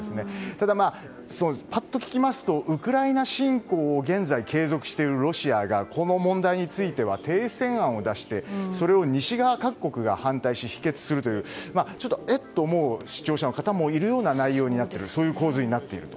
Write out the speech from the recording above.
ただ、ぱっと聞きますとウクライナ侵攻を現在、継続しているロシアがこの問題については停戦案を出してそれを西側各国が反対し否決するというえ？と思う視聴者の方もいるという構図になっている。